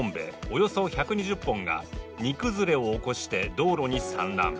およそ１２０本が煮崩れを起こして道路に散乱。